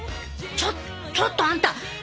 ちょちょっとあんた！